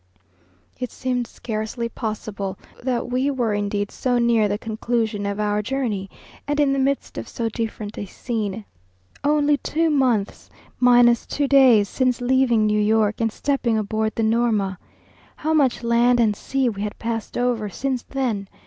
It seemed scarcely possible that we were indeed so near the conclusion of our journey, and in the midst of so different a scene, only two months minus two days since leaving New York and stepping aboard the Norma. How much land and sea we had passed over since then!